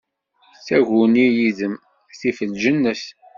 Taguni yid-m tif lǧennet.